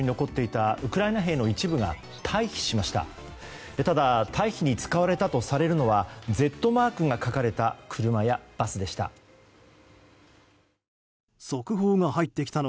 ただ、退避に使われたとされるのはＺマークが書かれた車やバスでした。